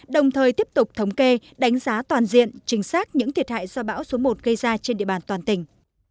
đồng thời tiếp tục thống kê đánh giá toàn diện chính xác những thiệt hại do bão số một gây ra trên địa bàn toàn tỉnh